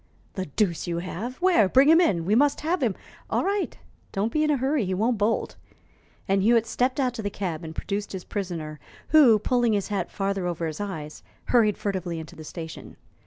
"The deuce you have! Where? Bring him in. We must have him " "All right, don't be in a hurry; he won't bolt." And Hewitt stepped out to the cab and produced his prisoner, who, pulling his hat farther over his eyes, hurried furtively into the station.